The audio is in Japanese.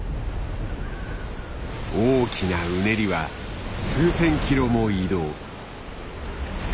大きなうねりは数千キロも移動。